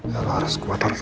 ya allah harus kuat